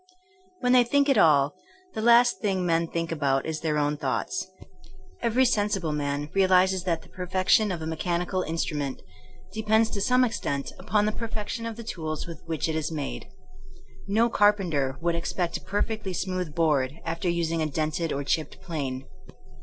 When they think at all, the last thing men think about is their own thoughts. Every sen sible man realizes that the perfection of a me chanical instrument depends to some extent upon the perfection of the tools with which it THINKINO A8 A SCIENCE 5 is made. No carpenter would expect a per fectly smooth board after using a dented or chipped plane.